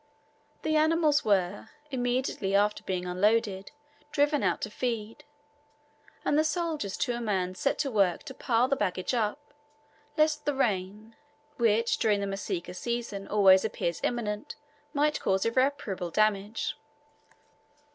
The animals were, immediately after being unloaded, driven out to feed, and the soldiers to a man set to work to pile the baggage up, lest the rain, which during the Masika season always appears imminent, might cause irreparable damage.